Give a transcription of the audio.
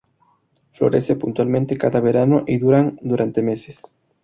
Florece puntualmente cada verano y duran durante meses.